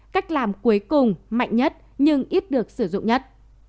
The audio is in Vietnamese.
cách làm cuối cùng mạnh nhất nhưng ít được sử dụng nhất